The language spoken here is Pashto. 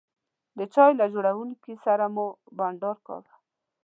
د چای له جوړونکي سره مو بانډار کاوه.